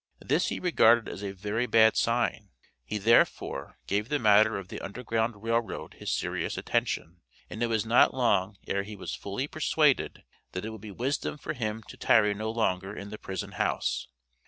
This he regarded as a very bad sign; he therefore, gave the matter of the Underground Rail Road his serious attention, and it was not long ere he was fully persuaded that it would be wisdom for him to tarry no longer in the prison house.